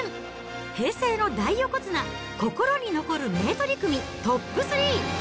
平成の大横綱、心に残る名取組トップ３。